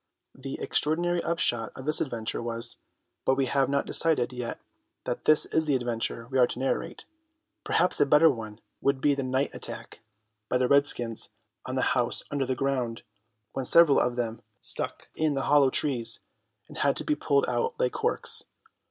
The extraordinary upshot of this adventure was—but we have not decided yet that this is the adventure we are to narrate. Perhaps a better one would be the night attack by the redskins on the house under the ground, when several of them stuck in the hollow trees and had to be pulled out like corks.